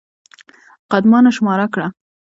قدمانه شماره کړه.